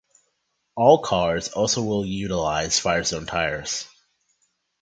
All cars also will utilized Firestone tires.